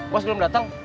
bos belum datang